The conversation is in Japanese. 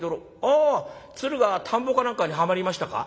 あ鶴が田んぼかなんかにはまりましたか？」。